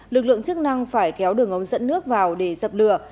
lực lượng chức năng phải kéo đường ống dẫn nước vào để dập lửa